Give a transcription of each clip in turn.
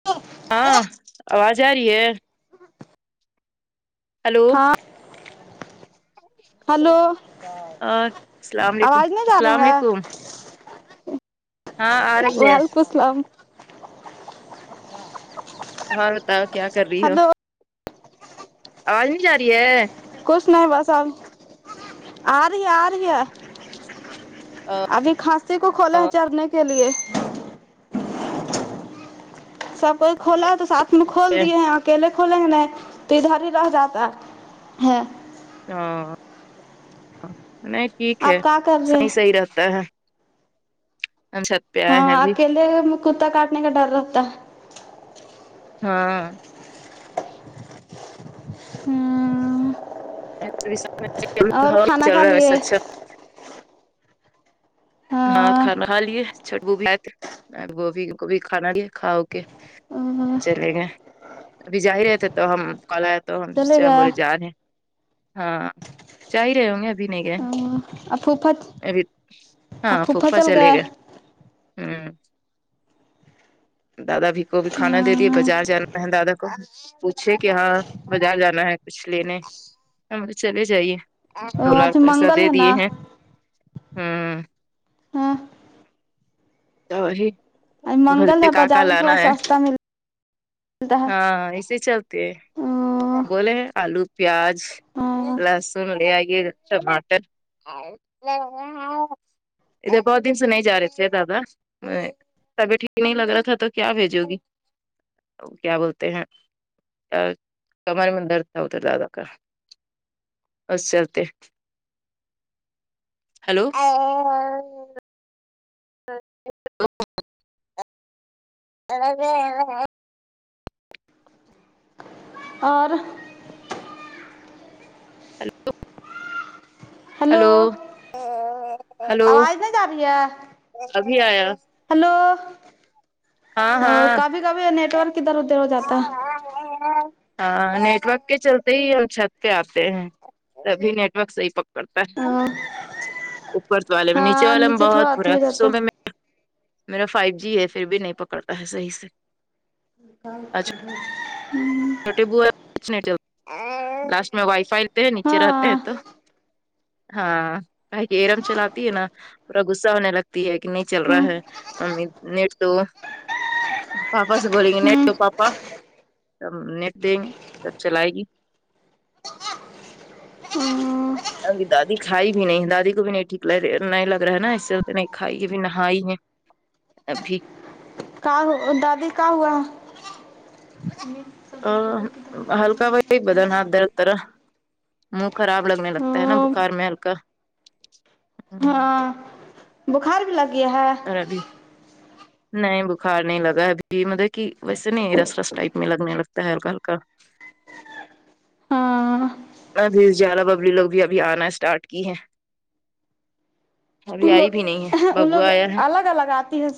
[unintelligible] ہاں آواز آ رہی ہے ہیلو ہا [unintelligible] اور السلام علیکم آواز نہیں جا السلام رہا علیکم ہے ہاں ارہی ہے سلام اور بتاؤ کیا کر رہی ہو ہلو آواز نہیں جا رہی ہے کچھ نہیں بس اب آ رہی ہے آ رہی ہے ابھی کھانسی کو کھولے ہیں چرنے کے لیے سب کوئی کھلا ہے تو ساتھ میں کھول دیے آ اکیلے کھولیں گے نہیں تو ادھر ہی رہ جاتا ہے ہاں نہیں ٹھیک آپ ہے کیا کر رہے ہیں صحیح صحیح رہتا ہے ہم سب ہاں اکیلے کتا کاٹنے کا ڈر رہتا ہاں ہاں اور کھانا کھا لیے [unintelligible] ہاں کھانا کھا لیے چٹو بھی سی تھے ا گوبھی گوبھی کھانا کھاؤ کے چلے گئے ابھی جا ہی رہے تھے تو ہم کال آیا تو ہم سے چلے ہم گئے بولے جا رہے ہاں جا ہی رہے ہوں گے ابھی نہیں گئے ہیں اور پھوپھا ابھی ہاں پھوپھا چل چلے گیا گا ہوں دادا بھی کو بھی کھانا دے دییے ہاں بازار جانا ہے دادا کو پوچھے کہ ہاں بازار جانا ہے کچھ لینے ہمے چلے جائیے او سلہار آج پیسہ منگل دے ہے دیے نا ہیں ہوں ہاں تو یہی آج گھر منگل ہے کاک بازار میں تھوڑا لانا ہے سستا ملتا ہے ہاں اسے چلتے او بولے ہیں آلو پیاز ہاں لہسن لے آئیے ٹماٹر بہت دن س نہیں جا رہے تھے دادا میں طبیعت ٹھیک نہیں لگ رہا تھا تو کیا بھیجو گی کیا بولتے ہیں ا کمر میں درد تھا ادھر دادا کا بس چلتے ہلو [inaudible] [unintelligible] اور ہلو ہلو آواز نہیں جا رہی ہے ابھی آیا ہلو ہاں او ہاں کبھی کبھی نیٹ ورک ادھر ادھر ہو جاتا [unintelligible] ہاں نیٹ ورک کے چلتے ہی ہم چھت پہ آتے ہیں تبھی نیٹورک صحیح پک پتا ہے او اوپر والے میں نیچے ہاں والے میں بہت تھوڑا اھی برا ہو جاتا صبح ہے میں میرا فائیو جی ہے پھر بھی نہیں پکڑتا ہے صحیح سے اچھا [inaudible] چھوٹے بو لاسٹ میں وائی فائی لیتے نیچے رہتے ہیں ہاں تو ہاں ارم چلاتی ہے نا پورا غصہ ہونے لگتی ہے کہ نہیں چل رہا ہوں ہے ممی نٹ تو پاپا سے بولیں گے نیٹ ہوں دو پاپا نیٹ دیں سب چلائے گی ہوں ابھی دادی کھائی بھی نہیں دادی کو بھی نہیں ٹھیک لگ نہیں لگ رہا ہے نا اس سے نہیں کھائی اب نہائی ہے ابھی کا دادی کا ہوا ا ہلکا ب بدن ہاں درد دیرا منہ خراب لگنے لگتا ہے نا بخار میں ہلکا ہاں بخار بھی لگ گیا ہے [unintelligible] نہیں بخار نہیں لگا ہے ابھی مطلب کہ ویسے نہیں رس لس ٹائپ میں لگنے لگتا ہے ہلکا ہلکا ہاں ابھی زیادہ ببلی لوگ بھی ابھی آنا اسٹارٹ کی ہیں تو ابھی آئی لوگ بھی نہیں ہے ان ببو لوگ آیا ہے الگ الگ آتی ہے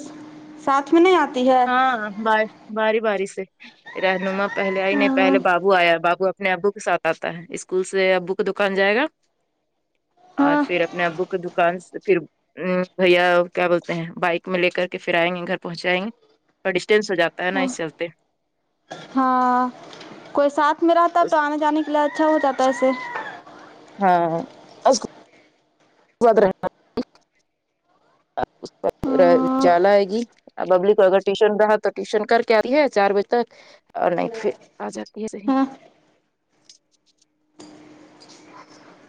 ساتھ میں نہیں آتی ہے ہاں بیے باری باری سے رہنما پہلے آئی نہیں ہاں پہلے بابو آیا بابو اپنے ابو کے ساتھ آتے تا ہے اسکول سے ابو کی دکان جائے گا اور ہاں پھر اپنے ابو کی دکان پھر ہ بھیا کیا بولتے ہیں بائک میں لے کر کے پھر آئیں گے گھر پہنچائیں گے ڈسٹینس ہوجاتا ہے نا اس چلتے ہاں کوئی ساتھ میں رہتا ہے تو آنے جانے کے لیے اچھا ہو جاتا ہے ایسے ہاں اس کے [unintelligible] اجالا آئے گی ا ببلی کو اگر ٹیوشن رہا تو ٹیوشن کر کے آتی ہے چار بجے تک اور نہیں پھر آ جاتی ہے صحیح ہاں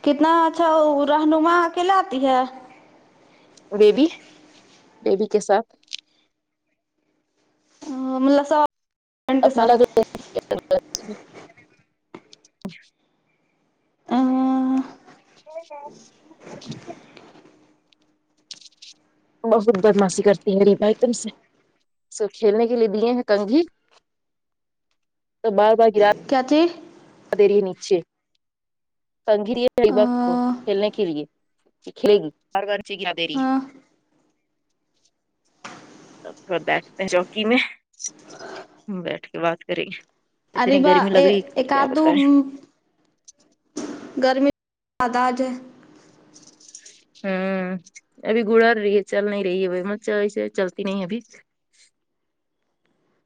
کتنا اچھا وہ رہنما اکیلے آتی ہے بیبی بیبی کے ساتھ ملاسا فرینڈ کے اپنا ساتھ کوئی [inaudible] بہت بدماشی کرتی ہے [unintelligible] تم سے سو کھیلنے کے لیے دیے ہیں کنگھی تو بار بار گرا کیا تھی دیری نچے کنگھی دیے لیبیا کو کھیلنے کے لیے کھیلے گی اوربار بار نیچے گرا دے ری ہاں تھوڑا بیٹھتے ہیں چوکی میں بیٹھ کے بات کریں گے اتنی اریبا گرمی لگ رہی ایک کیا آدھ دو بتائے گرمی [inaudible] تداج ہے [inaudible] ہوں ابھی گڑر رہی ہے چل نہیں رہی ہے ایسے چلتی نہیں ابھی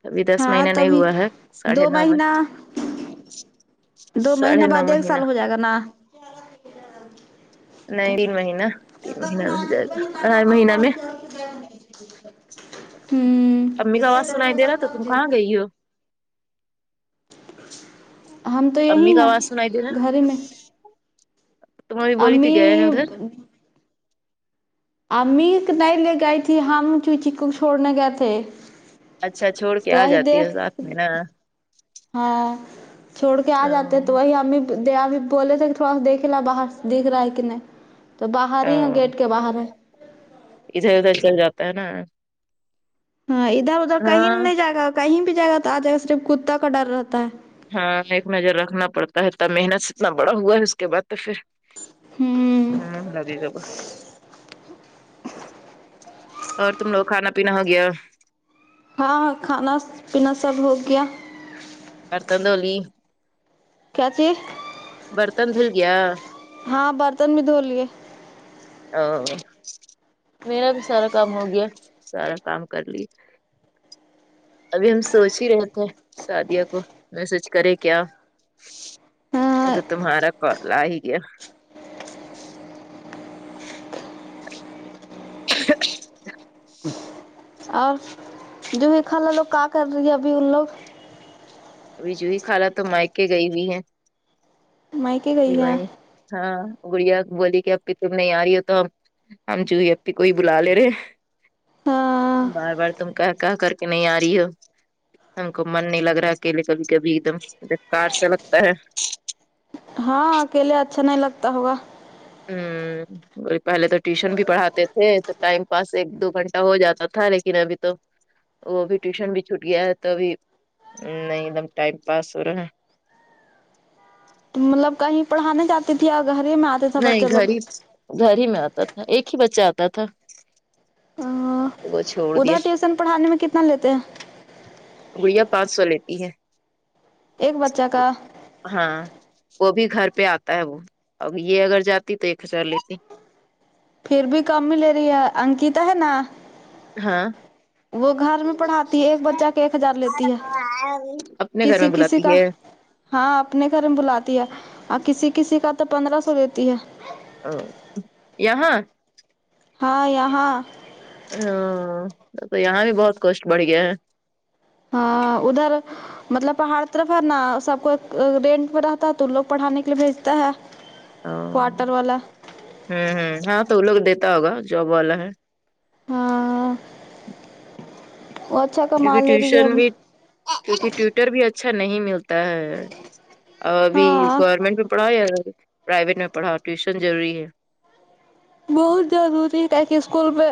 ابھی دس ہاں مہینہ نہیں تبھی ہوا ہے ساڑھے دو نو میں مہینہ ساڑھے نو مہینہ جگنا نہیں تین مہینہ تین مہینہ میں ہو جائے گا اڑھائی مہینہ میں [inaudible] امی کا آواز سنائی دے رہا تو تم کہاں گئی ہو ہوں ہم تو یہی امی کا ہیں آواز سنائی دے رہا گھر ہی میں تو ممی بولی تھی امی گئے ہیں ادھر امی نہیں لے گئی تھی ہم چوچی کو چھوڑنے گئے تھے اچھا چھوڑ کے تو آ وہی جاتی ہے دیکھ ساتھ میں نا ہاں چھوڑ کے آ جاتے ہاں تو وہی امی دیاب بولے تھے کہ تھوڑا سا دیکھے لا باہر دیکھ رہا ہے کہ نہیں تو باہر ہی ہے ہاں گیٹ کے باہر ہے ادھر ادھر چل جاتا ہے نا ہاں ادھر ادھر کہیں ہاں نہیں جائے گا کہیں بھی جائے گا تو آ جائے گا صرف کتا کا ڈر رہتا ہے ہاں ایک نظر رکھنا پڑتا ہےتب محنت اتنا بڑا ہوا ہے اس کے بعد تو پھر ہوں ہم لگے گا اور تم لوگ کھانا پینا ہو گیا ہاں ہاں کھانا پینا سب ہو گیا [unintelligible] کیا جی برتن دھل گیا ہاں برتن بھی دھو لیے [unintelligible] میرا بھی سارا کام ہو گیا سارا کام کر لیے ابھی ہم سوچ ہی رہے تھے شادیہ کو میسج کرے کیا ہاں تمہارا کال آہی گیا اور جو ہی خالا لوگ کا کر رہی ہے ابھی ان لوگ ابھی جوئی خالا تو مائکے گئی ہووے ہے میکے ابھی گئی ہے وہی ہاں گڑیا بولی کہ اب کے تم نہیں آ رہی ہو تو ہم جوئی ایپی کوہی بلا لے رہے ہیں ہاں بار بار تم کہ کہ کر کے نہیں آ رہی ہو ہم کو من نہیں لگ رہا ہے اکلے کبھی کبھی ایک دم بیکار سا لگتا ہے ہاں اکیلے اچھا نہیں لگتا ہوگا ہوں وہی پہلے تو ٹیوشن بھی پڑھاتے تھے تو ٹائم پاس ایک دو گھنٹہ ہو جاتا تھا لیکن ابھی تو وہ ابھی ٹیوشن بھی چھوٹ گیا ہے تو ابھی نہیں ایک دم ٹائم پاس ہو رہا ہے مطلب کہیں پڑھانا جاتے تتیا گھر ہی میں آتے تھا نہیں بچے لوگ گھر ہی گھر ہی میں آتا تھا ایک ہی بچہ آتا تھا وہ چہو ادھر ٹیوشن پڑھانے میں کتنا لیتے ہیں گڑیا پانچ سو لیتی ہے ایک بچہ کا ہاں وہ بھی گھر پہ آتا ہے وہ اب یہ اگر جاتی تو ایک ہزار لیتی پھر بھی کم ہی لے رہی ہے انکتا ہے نا ہاں وہ گھر میں پڑھاتی ہے ایک بچہ کے ایک ہزار لیتی ہے اپنے گھر کسی میں کسی بلاتی کا ہے ہاں اپنے گھر میں بلاتی ہے اور کسی کسی کا تو پندرہ سو دیتی ہے او یہاں ہاں یہاں ہاں تو یہاں بھی بہت کوشٹ بڑھ گیا ہے ہاں ادھر مطلب پہاڑ طرف ہے نا سب کو رینٹ پہ رہتا ہے تو لوگ پڑھانے کے لیے بھیجتا ہے کواٹر والا ہوں ہوں ہاں تو وہ لوگ دیتا ہوگا جوب والا ہے ہاں وہ اچھا کما کیونکہ لے رہی ہے ٹیوشن بھی کیونکہ ٹیوٹر بھی اچھا نہیں ملتا اور ابھی ہاں گورنمنٹ میں پڑھاو یہ پرائیویٹ میں پڑاؤ ٹیوشن ضروری ہے بہت ضروری ہے کی کہ اسکول پہ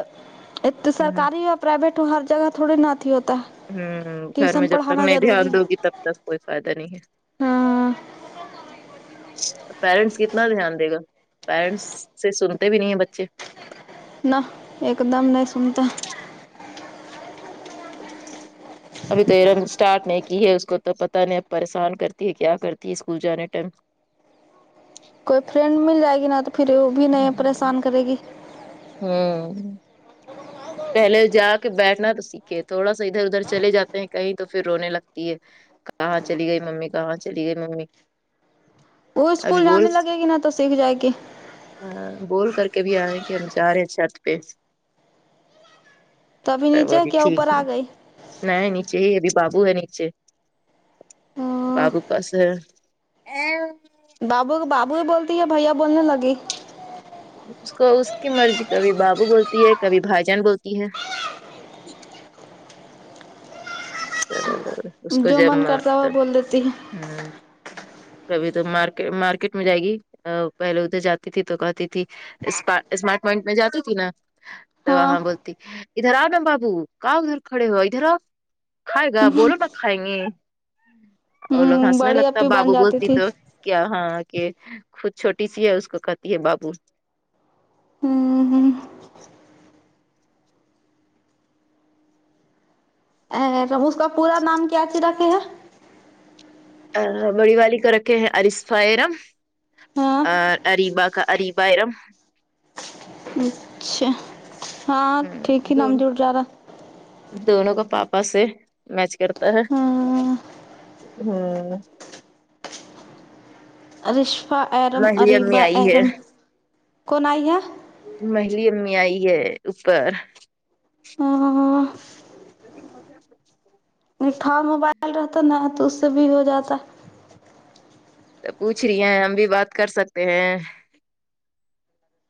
ایک تو ہ ہ سرکاری پرائیویٹ ہو ہر جگہ تھوڑے نتیھی ہوتا ہے ہوں گھر ٹیوشن میں جب تک پڑھانا نہیں دھیان ضروری ہے دوں گی تب تک کوئی فائدہ نہیں ہے ہاں پیرنٹس کتنا دھیان دے گا پیرنٹس سے سنتے بھی نہیں ہے بچے نہ ایک دم نہیں سنتا ابھی تو ایرم اسٹارٹ نہیں کی ہے اس کو تو پتہ نہیں اب پریشان کرتی ہے کیا کرتی ہے اسکول جانے ٹائم کوئی فرینڈ مل جائے گی نا تو پھر وہ بھی نہیں پریشان کرے گی ہاں پہلے جا کے بیٹھنا تو سیکھے یک ہے تھوڑا سا ادھر ادھر چل جاتے ہیں کہیں تو پھر رونے لگتی ہے کہاں چلی گئی ممی کہاں چلی گئی ممی وہ ابھی اسکول بول جانے لگے گی نا تو سیکھ جائے گی ہاں بول کر کے بھی آئے کہ ہم جا رہے ہیں چھت پہ تبھی تب نیچے وہبھی کیا ٹھیک اوپر ہے آ گئی نہیں نیچے ہی ابھی بابو ہے نیچے بابو پاس ہے بابو کو بابو ہی بولتی ہے بھیا بولنے لگی اس کو اس کی مرضی کبھی بابو بولتی ہے کبھی بھائی جان بولتی ہے جو من کرتا وہ بول دیتی ہے [unintelligible] کبھی تو مارکیٹ مارکیٹ میں جائے گی پہلے ادھر جاتی تھی تو کہتی تھی اسم اسمارٹ پوائنٹ میں جاتی تھی نا تو ہاں وہاں ہ بولتی ادھر آؤ نا بابو کؤ ادھر کھڑے ہو ادھر آؤ کھائے گا بولو نا کھائیں گے اور لوگ ہنسنے بڑی لگتا اپی بن بابو جاتی بولتی تھی تو کیا ہاں کہ خود چھوٹی سی ہے اس کو کہتی ہے بابو ہمم ہمم ا اس کا پورا نام کیسے رکھے ہیں بڑی والی کا رکھے ہیں عرصفہ ارم ہاں اور اریبا کا اریب بارم اچھا ہاں ٹھیک ہی نام دونوں جڑ جارا دونوں کا پاپا سے میچ کرتا ہے ہاں ہاں آ رشفا ایرم اریبہ ہے ایرم کون آئی ہے میری امی آئی ہے اوپر نکھا موبائل رہتا ہے نا تو اس سے بھی ہو جاتا ہے تو پوچھ رہی ہیں ہم بھی بات کر سکتے ہیں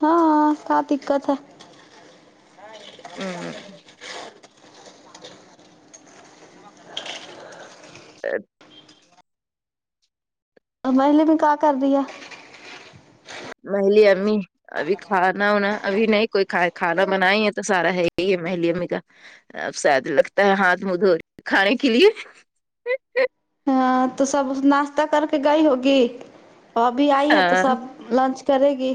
ہاں کیا دقت ہے ہمم محلے میں کیا کررہی ہے میری امی ابھی کھانا ہوناا ابھی نہیں کوئی کھ کھانا بنا ہی ہے تو سارا ہے ہی ہے میری امی کا اب ساید لگتا ہے ہاتھ مدھورہی کھانے کے لیے ہاں تو سب ناشتہ کر کے گئی ہوگی ابھی آئی ہے تو ہاں سب لنچ کرے گی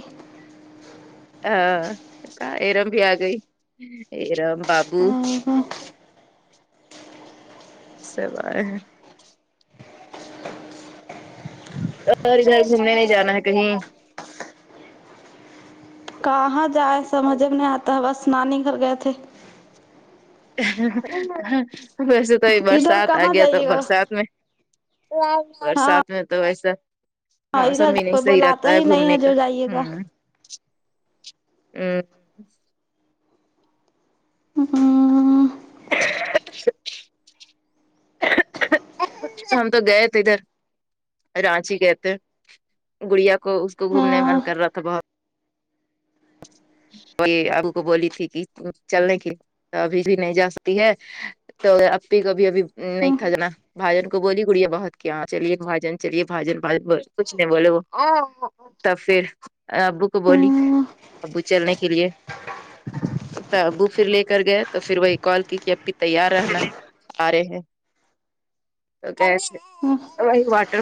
ہاں ایرم بھی آ گئی ایرم بابو [unintelligible] اور تمنے نہیں جانا ہے کہیں کہاں جائے سمجھ میں نہیں آتا ہے بس نانی گھر گئے تھے بس کوئی ادھر برسات آ کہاں گیا تو جائیے گا برسات میں ہاں برسات میں تو ویسا موسم ادھر بھی نہیں کوئی صحیح بلاتا رہتا ہے ہی نہیں گھومنے کا جو جائیے گا ہوں ہمم ہممم ہم تو گئے تھے ادھر رانچی گئے تھے گڑیا کو اس کو گھومنے من کر ہاں رہا تھا بہت وہ یہ ہم کو بولی تھی کہ چلنے کی ابھی بھی نہیں جا سکتی ہے تو اپی کو بھی ابھی نہیں [unintelligible] کو بولی گڑیا بہت کیا چلیے باجن چلیے باجن کچھ نہیں بولے وہ تب پھر ابو کو بولی ابو چلنے کے لیے تو ابو پھر لے کر گئے تو پھر وہی کال کی کہ اپی تیار رہنا آ رہے ہیں ہاں [unintelligible] وہی واٹر